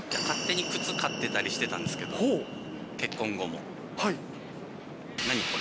勝手に靴買ってたりしてたんですけど、結婚後も。